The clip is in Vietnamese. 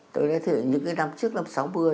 tôi đã thấy những năm trước năm sáu mươi